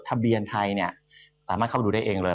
ทะเบียนไทยเนี่ยสามารถเข้าไปดูได้เองเลย